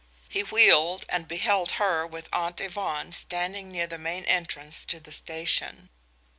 He wheeled and beheld her, with Aunt Yvonne, standing near the main entrance to the station.